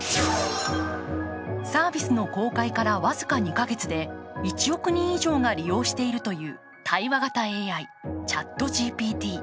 サービスの公開から僅か２か月で１億人以上が利用しているという対話型ＡＩ、ＣｈａｔＧＰＴ。